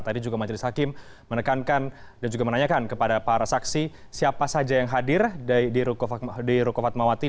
tadi juga majelis hakim menekankan dan juga menanyakan kepada para saksi siapa saja yang hadir di ruko fatmawati